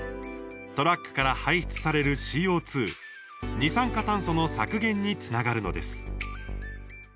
トラックから排出されるＣＯ２二酸化炭素の削減につながるのです。